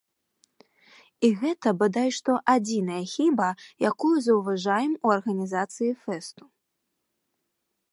І гэта, бадай што, адзінай хіба, якую заўважаем у арганізацыі фэсту.